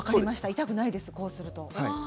痛くないです、こうすると。